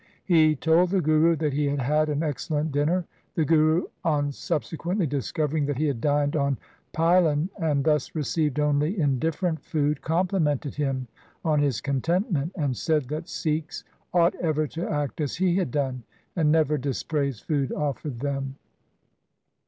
He told the Guru that he had had an excellent dinner. The Guru on subsequently discovering that he had dined on pilun and thus received only indifferent food, complimented him on his contentment, and said that Sikhs ought ever to act as he had done, and never dispraise food offered them.